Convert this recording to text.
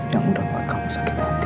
yang udah buat kamu sakit hati